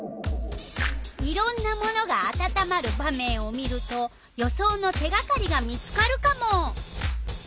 いろんなものがあたたまる場面を見ると予想の手がかりが見つかるカモ！